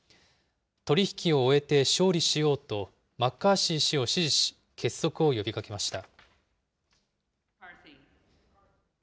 取り引きを終えて勝利しようとマッカーシー氏を支持し、結束を呼びかけました。